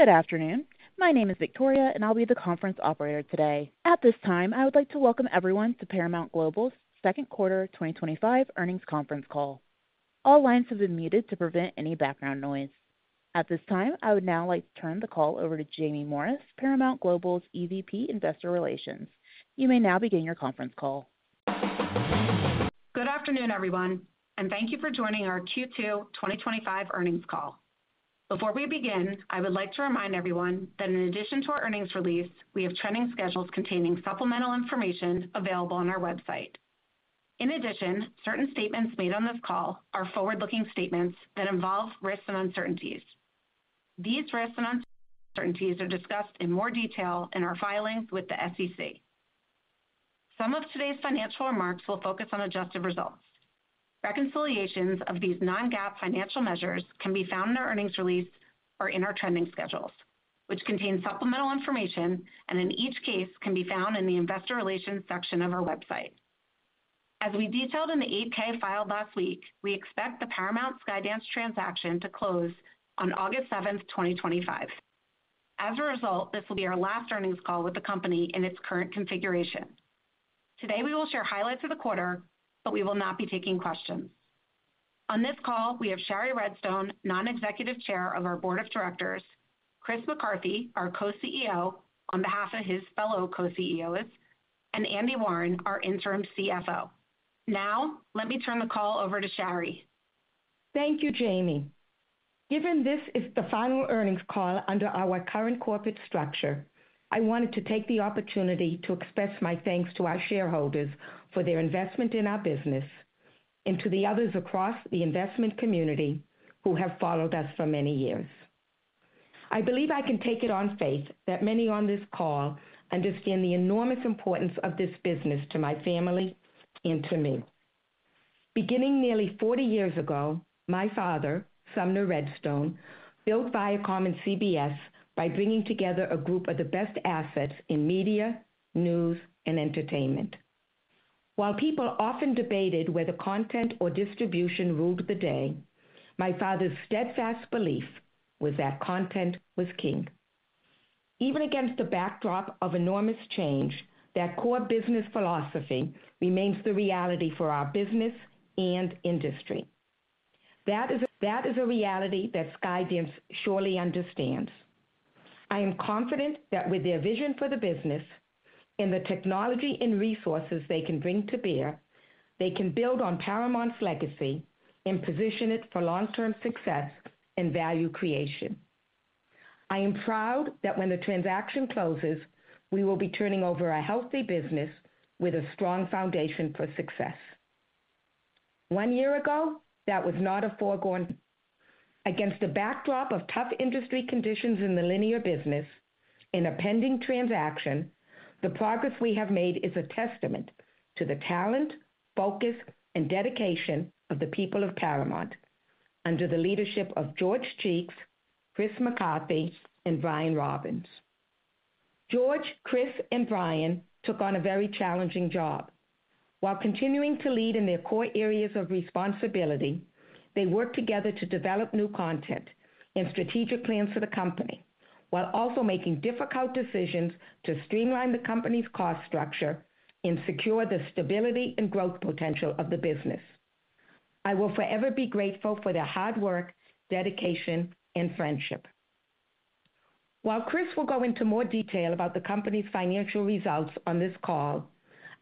Good afternoon. My name is Victoria and I'll be the conference operator. At this time I would like to welcome everyone to Paramount Global's Second Quarter 2025 Earnings Conference Call. All lines have been muted to prevent any background noise. At this time. I would now like to turn the call over to Jaime Morris, Paramount Global's EVP Investor Relations. You may now begin your conference call. Good afternoon everyone and thank you for joining our Q2 2025 Earnings Call. Before we begin, I would like to remind everyone that in addition to our earnings release, we have trending schedules containing supplemental information available on our website. In addition, certain statements made on this call are forward-looking statements that involve risks and uncertainties. These risks and uncertainties are discussed in more detail in our filings with the SEC. Some of today's financial remarks will focus on adjusted results. Reconciliations of these non-GAAP financial measures can be found in our earnings release or in our trending schedules, which contain supplemental information and in each case can be found in the Investor Relations section of our website. As we detailed in the 8-K filed last week, we expect the Paramount Skydance transaction to close on August 7th, 2025. As a result, this will be our last earnings call with the company in its current configuration. Today we will share highlights of the quarter, but we will not be taking questions. On this call we have Shari Redstone, Non-Executive Chair of our Board of Directors, Chris McCarthy, our Co-CEO on behalf of his fellow Co-CEOs, and Andy Warren, our Interim CFO. Now let me turn the call over to Shari. Thank you, Jamie. Given this is the final earnings call under our current corporate structure, I wanted to take the opportunity to express my thanks to our shareholders for their investment in our business and to the others across the investment community who have followed us for many years. I believe I can take it on faith that many on this call understand the enormous importance of this business to my family and to me. Beginning nearly 40 years ago, my father, Sumner Redstone, built Viacom and CBS by bringing together a group of the best assets in media, news, and entertainment. While people often debated whether content or distribution ruled the day, my father's steadfast belief was that content was king. Even against the backdrop of enormous change, that core business philosophy remains the reality for our business and industry. That is a reality that Skydance surely understands. I am confident that with their vision for the business and the technology and resources they can bring to bear, they can build on Paramount's legacy and position it for long-term success and value creation. I am proud that when the transaction closes, we will be turning over a healthy business with a strong foundation for success. One year ago, that was not a foregone conclusion against the backdrop of tough industry conditions in the linear business and a pending transaction. The progress we have made is a testament to the talent, focus, and dedication of the people of Paramount. Under the leadership of George Cheeks, Chris McCarthy, and Brian Robbins, George, Chris, and Brian took on a very challenging job while continuing to lead in their core areas of responsibility. They worked together to develop new content and strategic plans for the company while also making difficult decisions to streamline the company's cost structure and secure the stability and growth potential of the business. I will forever be grateful for their hard work, dedication, and friendship. While Chris will go into more detail about the company's financial results on this call,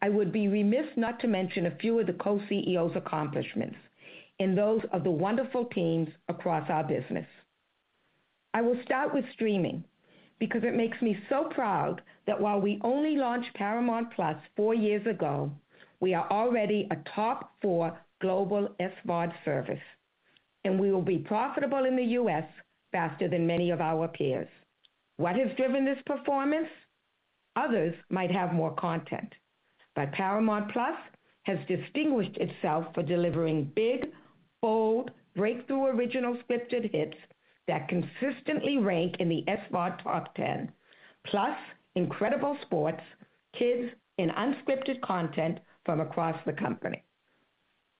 I would be remiss not to mention a few of the Co-CEOs' accomplishments and those of the wonderful teams across our business. I will start with streaming because it makes me so proud that while we only launched Paramount+ four years ago, we are already a top four global SVOD service and we will be profitable in the U.S. faster than many of our peers. What has driven this performance? Others might have more content, but Paramount+ has distinguished itself for delivering big, bold, breakthrough original scripted hits that consistently rank in the SVOD top 10, plus incredible sports, kids, and unscripted content from across the company,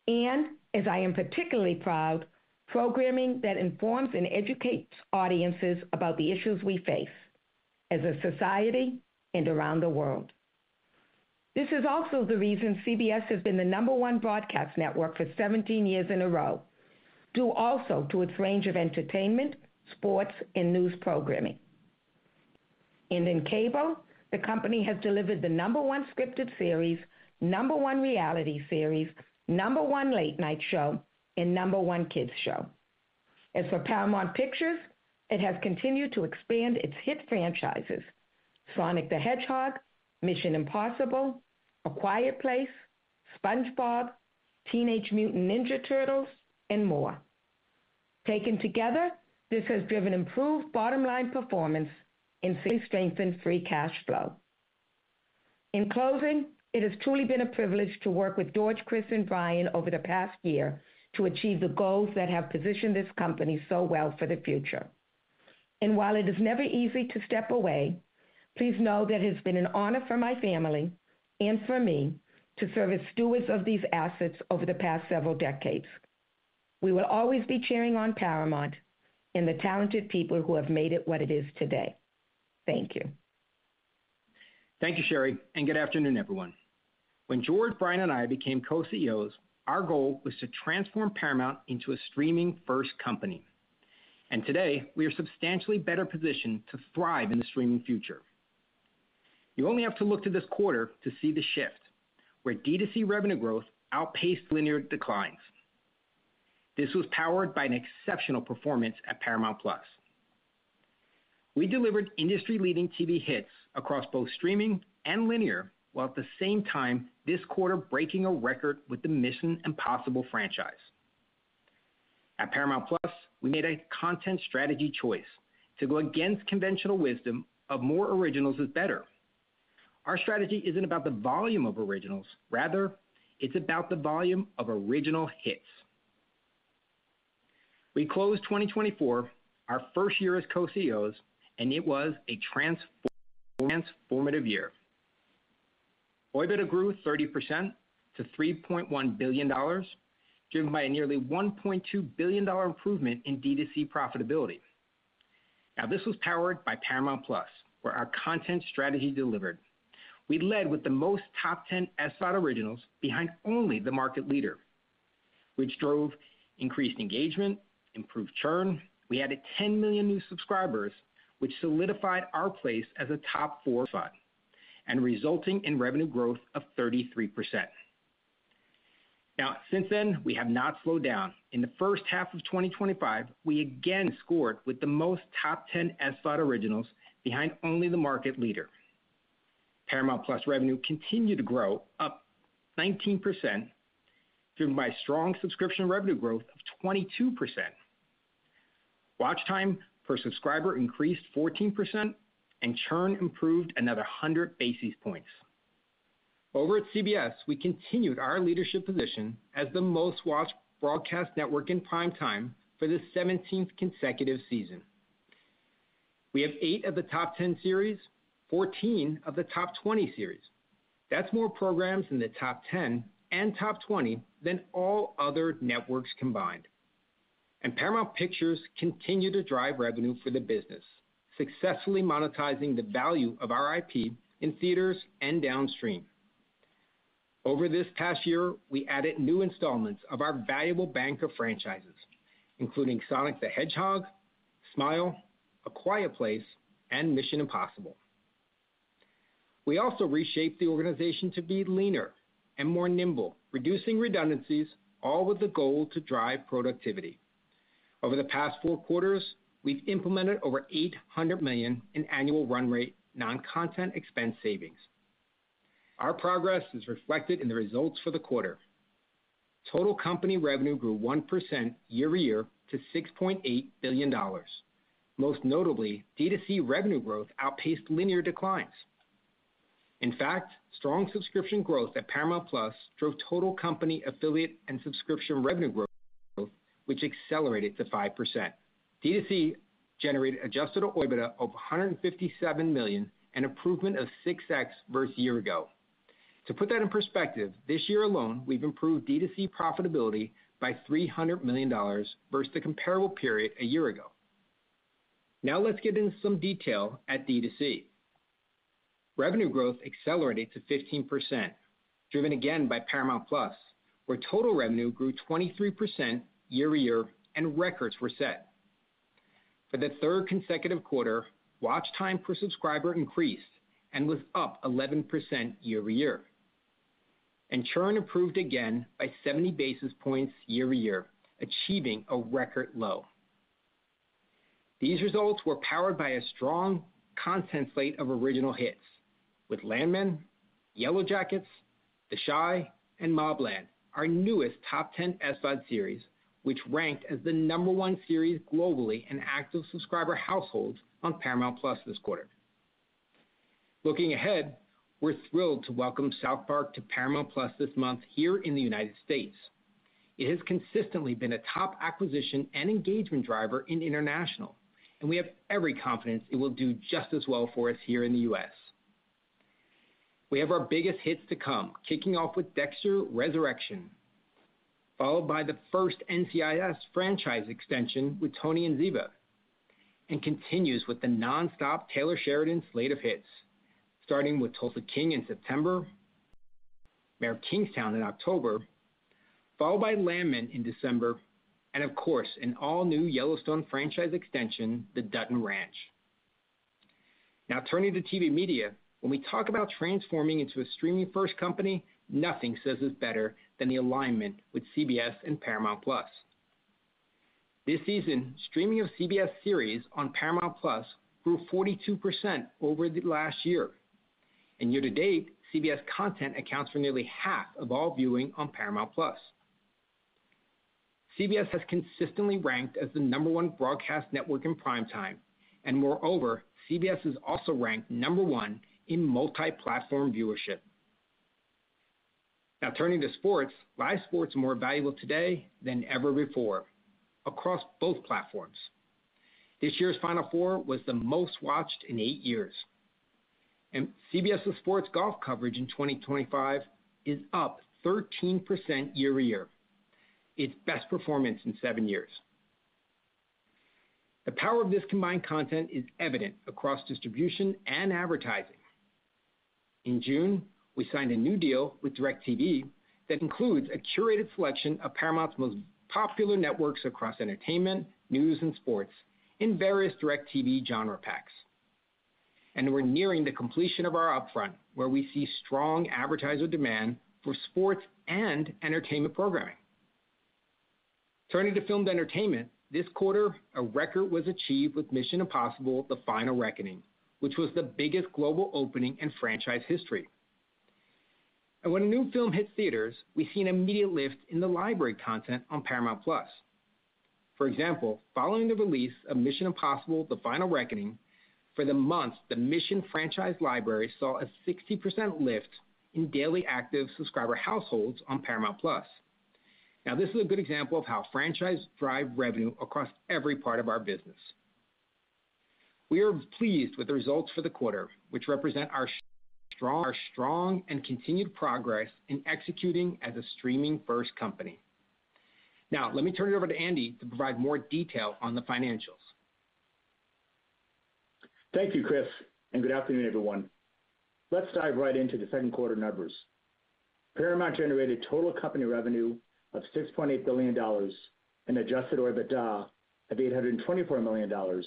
and as I am particularly proud, programming that informs and educates audiences about the issues we face as a society and around the world. This is also the reason CBS has been the number one broadcast network for 17 years in a row, due also to its range of entertainment, sports, and news programming. In cable, the company has delivered the number one scripted series, number one reality series, number one late night show, and number one kids show. As for Paramount Pictures, it has continued to expand its hit franchises: Sonic the Hedgehog, Mission: Impossible, A Quiet Place, SpongeBob SquarePants, Teenage Mutant Ninja Turtles, and more. Taken together, this has driven improved bottom line performance and strengthened free cash flow. In closing, it has truly been a privilege to work with George, Chris, and Brian over the past year to achieve the goals that have positioned this company so well for the future. While it is never easy to step away, please know that it has been an honor for my family and for me to serve as stewards of these assets over the past several decades. We will always be cheering on Paramount and the talented people who have made it what it is today. Thank you, thank you Shari and good afternoon everyone. When George, Brian and I became Co-CEOs our goal was to transform Paramount into a streaming-first company and today we are substantially better positioned to thrive in the streaming future. You only have to look to this quarter to see the shift where DTC revenue growth outpaced linear declines. This was powered by an exceptional performance. At Paramount+, we delivered industry-leading TV hits across both streaming and linear while at the same time this quarter breaking a record with the Mission: Impossible franchise. At Paramount+ we made a content strategy choice to go against conventional wisdom of more originals is better. Our strategy isn't about the volume of originals, rather it's about the volume of original hits. We closed 2024, our first year as Co-CEOs, and it was a transformative year. OIBDA grew 30% to $3.1 billion driven by a nearly $1.2 billion improvement in DTC profitability. This was powered by Paramount+ where our content strategy delivered. We led with the most top 10 SVOD originals behind only the market leader which drove increased engagement and improved churn. We added 10 million new subscribers which solidified our place as a top four brand and resulting in revenue growth of 33%. Since then we have not slowed down. In the first half of 2025 we again scored with the most top 10 SVOD originals and behind only the market leader. Paramount+ revenue continued to grow, up 19% driven by strong subscription revenue growth of 22%. Watch time per subscriber increased 14% and churn improved another 100 basis points. Over at CBS, we continued our leadership position as the most-watched broadcast network in primetime for the 17th consecutive season. We have 8 of the top 10 series, 14 of the top 20 series. That is more programs in the top 10 and top 20 than all other networks combined. Paramount Pictures continued to drive revenue for the business, successfully monetizing the value of our IP in theaters and downstream. Over this past year we added new installments of our valuable bank of franchises including Sonic the Hedgehog, Smile, A Quiet Place and Mission: Impossible. We also reshaped the organization to be leaner and more nimble, reducing redundancies, all with the goal to drive productivity. Over the past four quarters we've implemented over $800 million in annual run rate non-content expense savings. Our progress is reflected in the results for the quarter. Total company revenue grew 1% year-over-year to $6.8 billion. Most notably, DTC revenue growth outpaced linear declines. In fact, strong subscription growth at Paramount+ drove total company affiliate and subscription revenue growth, which accelerated to 5%. DTC generated adjusted organic EBITDA of $157 million, an improvement of 6x versus a year ago. To put that in perspective, this year alone we've improved DTC profitability by $300 million versus the comparable period a year ago. Now let's get into some detail. At DTC, revenue growth accelerated to 15% driven again by Paramount+, where total revenue grew 23% year-over-year and records were set for the third consecutive quarter. Watch time per subscriber increased and was up 11% year-over-year, and churn improved again by 70 basis points year-over-year, achieving a record low. These results were powered by a strong content slate of original hits with Landman, Yellowjackets, The Chi, and Mob Land, our newest top 10 SVOD series, which ranked as the number one series globally in active subscriber households on Paramount+ this quarter. Looking ahead, we're thrilled to welcome South Park to Paramount+ this month. Here in the United States., it has consistently been a top acquisition and engagement driver internationally, and we have every confidence it will do just as well for us. Here in the U.S., we have our biggest hits to come, kicking off with Dexter: Resurrection, followed by the first NCIS franchise extension with Tony & Ziva, and continuing with the nonstop Taylor Sheridan slate of hits starting with Tulsa King in September, Mayor of Kingstown in October, followed by Landman in December, and of course an all-new Yellowstone franchise extension, The Dutton Ranch. Now turning to TV media, when we talk about transforming into a streaming-first company, nothing says it better than the alignment with CBS and Paramount+ this season. Streaming of CBS series on Paramount+ grew 42% over the last year, and year to date, CBS content accounts for nearly half of all viewing on Paramount+. CBS has consistently ranked as the number one broadcast network in primetime, and moreover, CBS is also ranked number one in multiplatform viewership. Now turning to sports, live sports is more valuable today than ever before across both platforms. This year's Final Four was the most watched in eight years, and CBS Sports golf coverage in 2025 is up 13% year-over-year, its best performance in seven years. The power of this combined content is evident across distribution and advertising. In June, we signed a new deal with DIRECTV that includes a curated selection of Paramount's most popular networks across entertainment, news, and sports in various DIRECTV genre packs, and we're nearing the completion of our upfront where we see strong advertiser demand for sports and entertainment programming. Turning to filmed entertainment this quarter, a record was achieved with Mission: Impossible – The Final Reckoning, which was the biggest global opening in franchise history, and when a new film hits theaters, we see an immediate lift in the library content on Paramount+. For example, following the release of Mission: Impossible – The Final Reckoning for the month, the Mission: Impossible franchise library saw a 60% lift in daily active subscriber households on Paramount+. This is a good example of how franchises drive revenue across every part of our business. We are pleased with the results for the quarter, which represent our strong and continued progress in executing as a streaming-first company. Now let me turn it over to Andy to provide more detail on the financials. Thank you, Chris, and good afternoon, everyone. Let's dive right into the second quarter numbers. Paramount generated total company revenue of $6.8 billion and adjusted OIBDA of $824 million,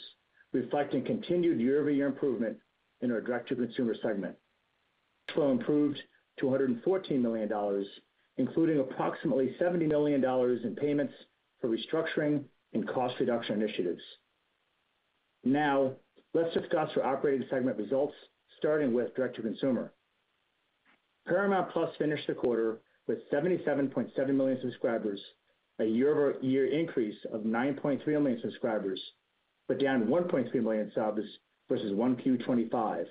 reflecting continued year-over-year improvement in our direct-to-consumer segment. Cash flow improved to $114 million, including approximately $70 million in payments for restructuring and cost reduction initiatives. Now let's discuss our operating segment results, starting with direct-to-consumer. Paramount+ finished the quarter with 77.7 million subscribers, a year-over-year increase of 9.3 million subscribers but down 1.3 million subs versus Q1 2025,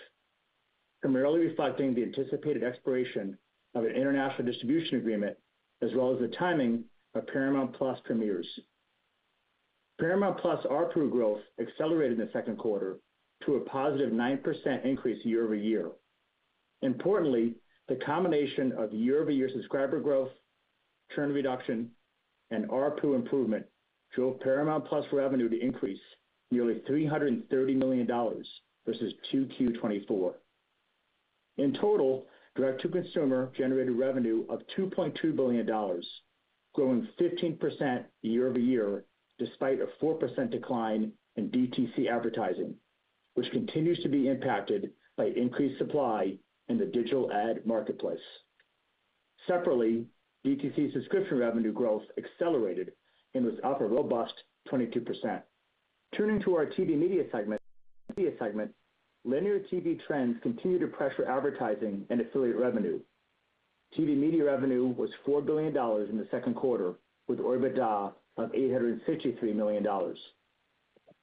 primarily reflecting the anticipated expiration of an international distribution agreement as well as the timing of Paramount+ premieres. Paramount+ ARPU growth accelerated in the second quarter to a positive 9% increase year-over-year. Importantly, the combination of year-over-year subscriber growth, churn reduction, and ARPU improvement drove Paramount+ revenue to increase nearly $330 million versus Q2 2024. In total, direct-to-consumer generated revenue of $2.2 billion, growing 15% year-over-year despite a 4% decline in DTC advertising, which continues to be impacted by increased supply in the digital ad marketplace. Separately, DTC subscription revenue growth accelerated and was up a robust 22%. Turning to our TV media segment, linear TV trends continue to pressure advertising and affiliate revenue. TV media revenue was $4 billion in the second quarter with OIBDA of $853 million.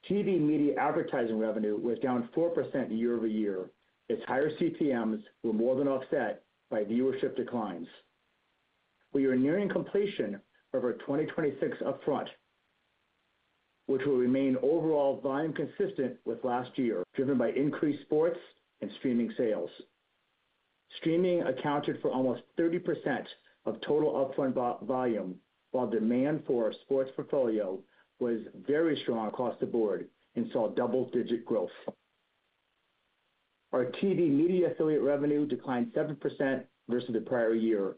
TV Media advertising revenue was down 4% year-over-year as higher CPMs were more than offset by viewership declines. We are nearing completion of our 2026 upfront, which will remain overall volume consistent with last year, driven by increased sports and streaming sales. Streaming accounted for almost 30% of total upfront volume, while demand for our sports portfolio was very strong across the board and saw double-digit growth. Our TV media affiliate revenue declined 7% versus the prior year,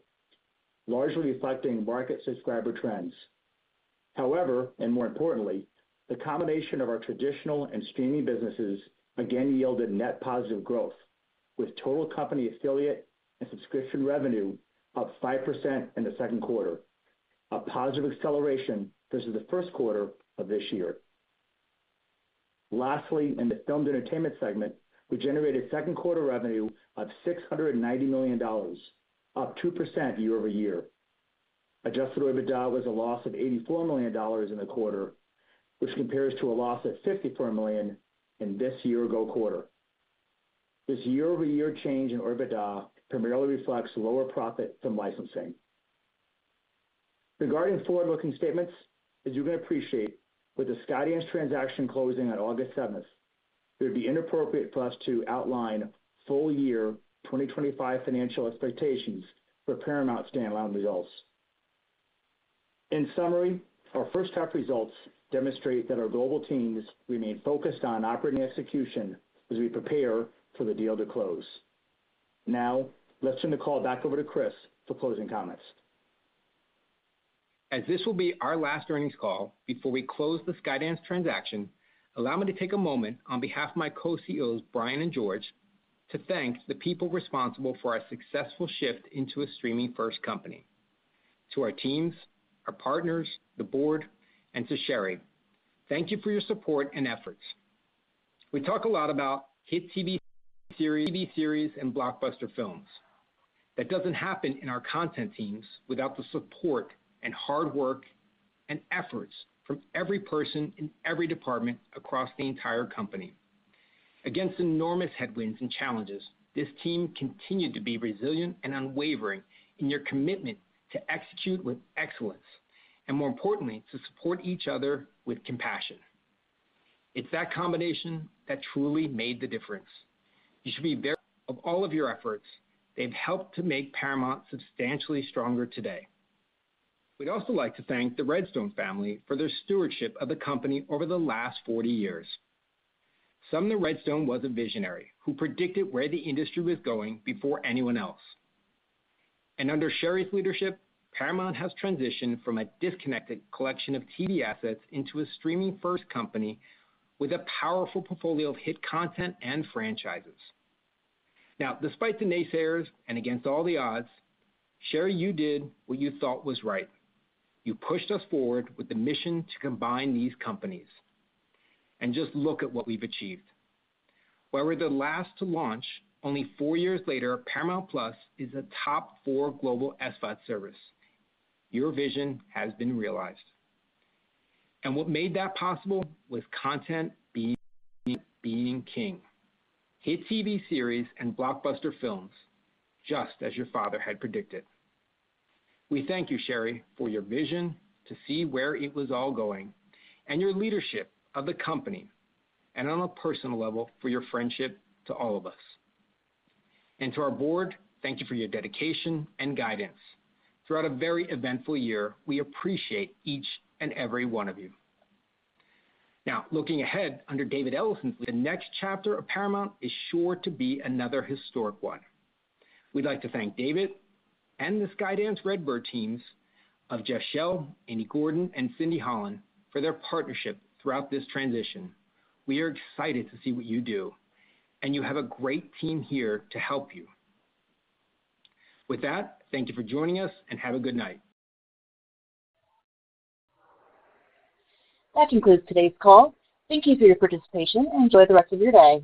largely reflecting market subscriber trends. However, and more importantly, the combination of our traditional and streaming businesses again yielded net positive growth, with total company affiliate and subscription revenue up 5% in the second quarter, a positive acceleration versus the first quarter of this year. Lastly, in the Filmed Entertainment segment, we generated second quarter revenue of $690 million, up 2% year-over-year. Adjusted EBITDA was a loss of $84 million in the quarter, which compares to a loss of $54 million in this year-ago quarter. This year-over-year change in EBITDA primarily reflects lower profit from licensing. Regarding forward-looking statements, as you can appreciate, with the Skydance transaction closing on August 7, it would be inappropriate for us to outline full-year 2025 financial expectations for Paramount standalone results. In summary, our first half results demonstrate that our global teams remain focused on operating execution as we prepare for the deal to close. Now let's turn the call back over to Chris for closing comments. As this will be our last earnings call before we close the Skydance transaction, allow me to take a moment on behalf of my Co-CEOs Brian and George to thank the people responsible for our successful shift into a streaming-first company: to our teams, our partners, the board, and to Shari, thank you for your support and efforts. We talk a lot about hit TV series and blockbuster films. That doesn't happen in our content teams without the support, hard work, and efforts from every person in every department across the entire company. Against enormous headwinds and challenges, this team continued to be resilient and unwavering in their commitment to execute with excellence and, more importantly, to support each other with compassion. It's that combination that truly made the difference. You should be very proud of all of your efforts. They've helped to make Paramount substantially stronger today. We'd also like to thank the Redstone family for their stewardship of the company over the last 40 years. Sumner Redstone was a visionary who predicted where the industry was going before anyone else. Under Shari's leadership, Paramount has transitioned from a disconnected collection of TV assets into a streaming-first company with a powerful portfolio of hit content and franchises. Now, despite the naysayers and against all the odds, Shari, you did what you thought was right. You pushed us forward with the mission to combine these companies, and just look at what we've achieved. While we were the last to launch, only four years later, Paramount+ is a top four global SVOD service. Your vision has been realized, and what made that possible was content being king, hit TV series, and blockbuster films, just as your father had predicted. We thank you, Shari, for your vision to see where it was all going and your leadership of the company, and on a personal level, for your friendship. To all of us and to our board, thank you for your dedication and guidance throughout a very eventful year. We appreciate each and every one of you. Now, looking ahead under David Ellison, the next chapter of Paramount is sure to be another historic one. We'd like to thank David and the Skydance RedBird teams, Jeff Shell, Andy Gordon, and Cindy Holland, for their partnership throughout this transition. We are excited to see what you do, and you have a great team here to help you with that. Thank you for joining us and have a good night. That concludes today's call. Thank you for your participation and enjoy the rest of your day.